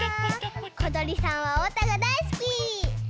ことりさんはおうたがだいすき！